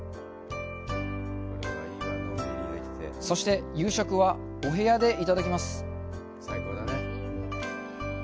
そして、夕食はお部屋でいただきます。